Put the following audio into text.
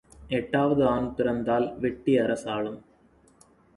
எட்டாவது ஆண் பிறந்தால் வெட்டி அரசாளும்.